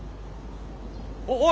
おい！